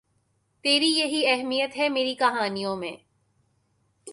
تری یہی اہمیت ہے میری کہانیوں میں